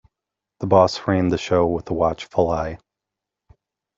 The boss ran the show with a watchful eye.